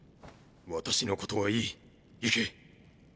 私のことはいい行け！